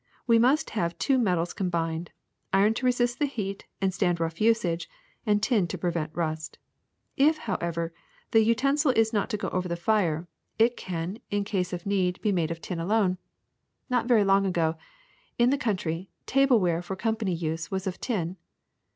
We must have two metals combined: iron to resist heat and stand rough usage, and tin to prevent rust. If, how ever, the utensil is not to go over the fire, it can in 164 THE SECRET OF EVERYDAY THINGS case of need be made of tin alone. Not very long ago, in the country, tableware for company use was of tin.